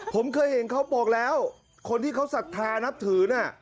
ผมเคยเห็นเขาบอกแล้วคนที่เขาศรัทธานับถือน่ะ